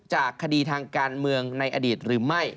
จากคดีทางการเมืองในอดีตหรือไม่